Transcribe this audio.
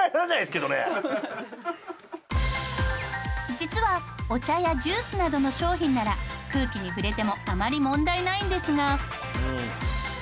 実はお茶やジュースなどの商品なら空気に触れてもあまり問題ないんですが。